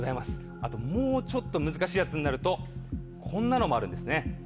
あともうちょっと難しいやつになるとこんなのもあるんですね。